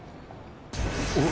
お！